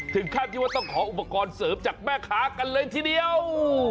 ถึงขั้นคิดว่าต้องขออุปกรณ์เสริมจากแม่ค้ากันเลยทีเดียว